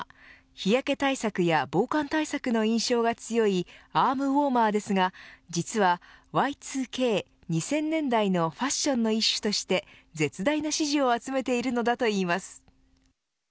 日焼け対策や防寒対策の印象が強いアームウォーマーですが、実はＹ２Ｋ、２０００年代のファッションの一種として絶大な支持を集めているのだといいます。